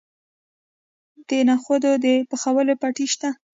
د نخودو د پخولو بټۍ شته.